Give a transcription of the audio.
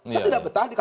saya tidak betah di kpk